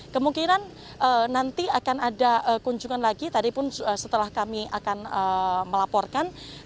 kemungkinan nanti akan ada kunjungan lagi tadi pun setelah kami akan melaporkan